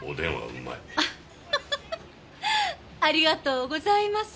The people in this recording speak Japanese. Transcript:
アハハハありがとうございます。